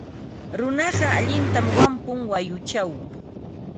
Runaqa allintam wampun mayuchaw.